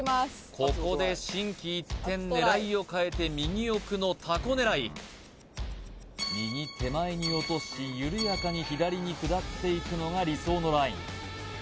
ここで心機一転狙いを変えて右奥のタコ狙い右手前に落とし緩やかに左に下っていくのが理想のライン